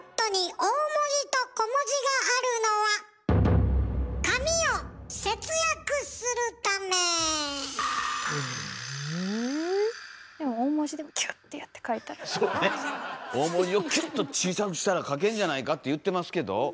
大文字をキュッと小さくしたら書けんじゃないかって言ってますけど？